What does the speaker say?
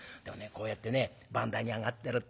こうやってね番台に上がってるってえとね